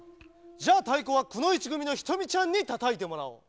じゃあたいこはくのいちぐみのひとみちゃんにたたいてもらおう。